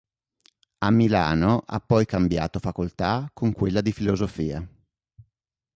A Milano ha poi cambiato facoltà con quella di Filosofia.